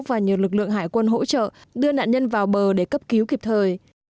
và nhờ lực lượng hải quân hỗ trợ đưa nạn nhân vào bờ để cấp cứu kịp thời